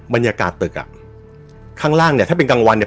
บรรยากาศตึกอ่ะข้างล่างเนี่ยถ้าเป็นกลางวันเนี่ย